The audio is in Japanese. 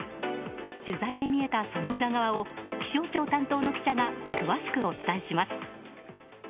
取材で見えたその裏側を気象庁担当の記者が詳しくお伝えします。